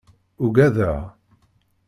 Ugadeɣ.